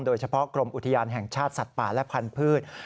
โดยเฉพาะกรมอุทยานแห่งชาติสัตว์ป่าและพันธุ์